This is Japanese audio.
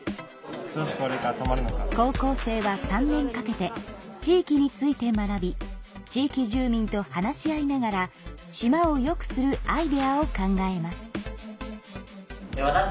高校生は３年かけて地域について学び地域住民と話し合いながら島をよくするアイデアを考えます。